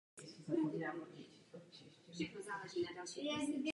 Proto skládají lékaři Hippokratovu přísahu, a ne například podnikatelé.